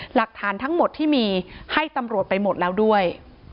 หลักฐานทั้งหมดที่มีให้ตำรวจไปหมดแล้วด้วย